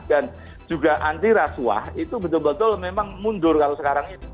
dan juga anti rasuah itu betul betul memang mundur kalau sekarang ini